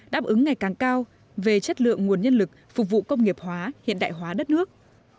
đáp ứng ngày càng cao về chất lượng nguồn nhân lực phục vụ công nghiệp hóa hiện đại hóa đất nước